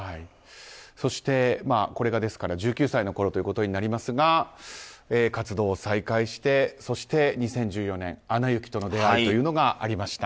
そして、これが１９歳のころということになりますが活動を再開してそして２０１４年「アナ雪」との出会いというのがありました。